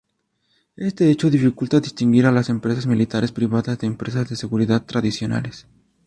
Este hecho dificulta distinguir a las empresas militares privadas de empresas de seguridad tradicionales.